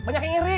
banyak yang iri